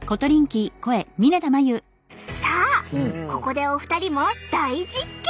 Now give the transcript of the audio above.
さあここでお二人も大実験！